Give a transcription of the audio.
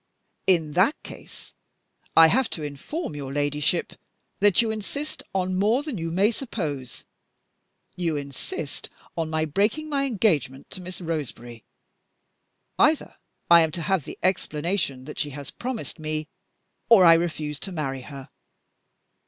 'In that case I have to inform your ladyship that you insist on more than you may suppose: you insist on my breaking my engagement to Miss Roseberry. Either I am to have the explanation that she has promised me, or I refuse to marry her.